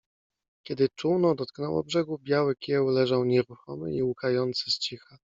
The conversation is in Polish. Kiedy czółno dotknęło brzegu, Biały Kieł leżał nieruchomy i łkający z cicha